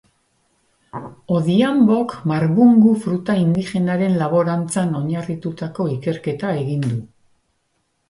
Odhiambok marbungu fruta indigenaren laborantzan oinarritututako ikerketa egin du.